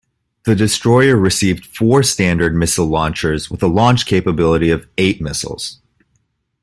The destroyer received four Standard missile launchers with a launch capability of eight missiles.